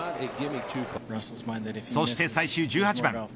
そして最終１８番。